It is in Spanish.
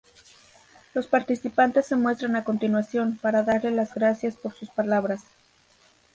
Los participantes se muestran a continuación, para darle las gracias por sus palabras.